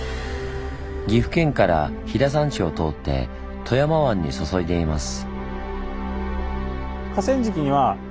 岐阜県から飛騨山地を通って富山湾に注いでいます。